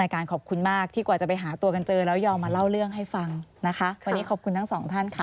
การขอบคุณมากที่กว่าจะไปหาตัวกันเจอแล้วยอมมาเล่าเรื่องให้ฟังนะคะวันนี้ขอบคุณทั้งสองท่านค่ะ